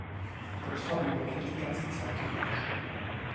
Der Trabi blockiert die ganze Zeit die linke Spur.